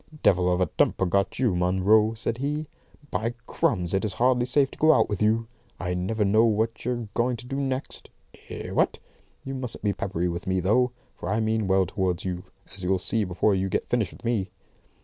"Devil of a temper you've got, Munro," said he. "By Crums, it's hardly safe to go out with you. I never know what you're going to do next. Eh, what? You mustn't be peppery with me, though; for I mean well towards you, as you'll see before you get finished with me."